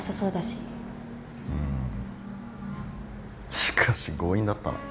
しかし強引だったな。